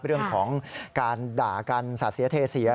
เรื่องของการด่ากันสาดเสียเทเสีย